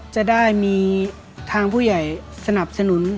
จะได้มีทางผู้ใหญ่สนับสนุน